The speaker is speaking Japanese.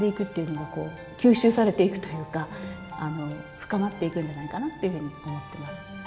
こう吸収されていくというか深まっていくんじゃないかなっていうふうに思ってます。